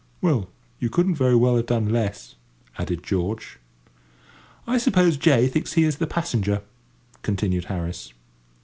"Well, you couldn't very well have done less," added George. "I suppose J. thinks he is the passenger," continued Harris.